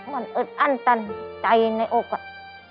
มันเอื๊บอั่นจันใจในอกปะ